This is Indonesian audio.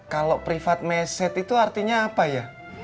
kalau privat message itu artinya apa ya